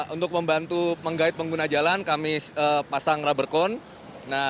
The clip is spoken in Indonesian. untuk membantu menggait pengguna jalan kami pasang rubber conne